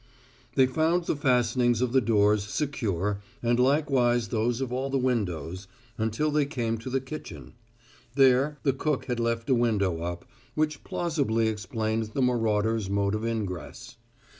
They found the fastenings of the doors secure and likewise those of all the windows, until they came to the kitchen. There, the cook had left a window up, which plausibly explained the marauder's mode of ingress.